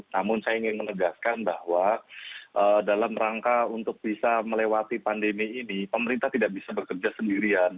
namun saya ingin menegaskan bahwa dalam rangka untuk bisa melewati pandemi ini pemerintah tidak bisa bekerja sendirian